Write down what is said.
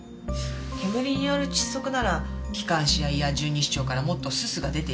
煙による窒息なら気管支や胃や十二指腸からもっとすすが出ていいはず。